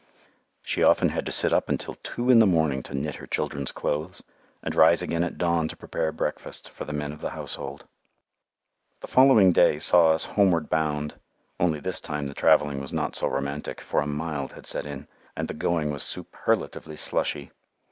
She often had to sit up until two in the morning to knit her children's clothes, and rise again at dawn to prepare breakfast for the men of the household. The following day saw us homeward bound, only this time the travelling was not so romantic, for a "mild" had set in, and the going was superlatively slushy.